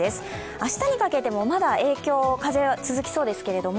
明日にかけてもまだ影響、風が続きそうですけども、